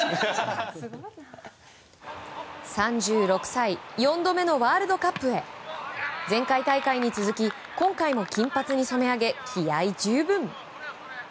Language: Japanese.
３６歳４度目のワールドカップへ前回大会に続き今回も金髪に染め上げ気合十分。